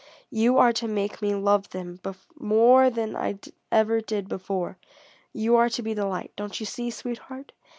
You are to make me love them more than I ever did before. You are to be the light don't you see, sweetheart?